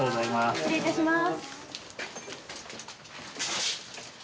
失礼いたします。